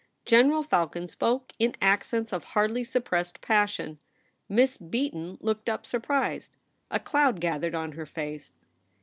General Falcon spoke in accents of hardly suppressed passion. Miss Beaton looked up, surprised. A cloud gathered on her face.